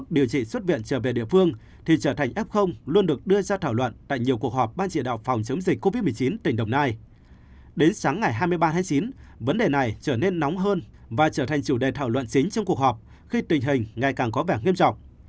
đến sáng ngày hai mươi ba tháng chín vấn đề này trở nên nóng hơn và trở thành chủ đề thảo luận chính trong cuộc họp khi tình hình ngày càng có vẻ nghiêm trọng